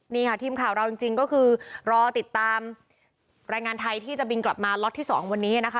นี่ค่ะทีมข่าวเราจริงก็คือรอติดตามแรงงานไทยที่จะบินกลับมาล็อตที่๒วันนี้นะคะ